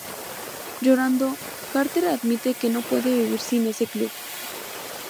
Llorando, Carter admite que no puede vivir sin ese club.